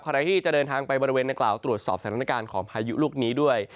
ใครที่จะเดินทางไปบริเวณนักกล่าวตรวจสอบสถานการณ์ของพายุลูกนี้ด้วย